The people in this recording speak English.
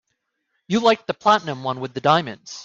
You liked the platinum one with the diamonds.